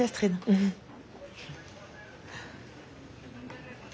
うん。